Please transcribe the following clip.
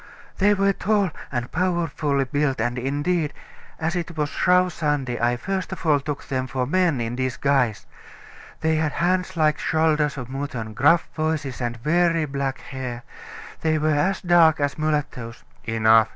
"They were tall and powerfully built, and indeed, as it was Shrove Sunday, I first of all took them for men in disguise. They had hands like shoulders of mutton, gruff voices, and very black hair. They were as dark as mulattoes " "Enough!"